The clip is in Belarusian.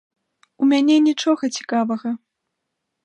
У мяне нічога цікавага.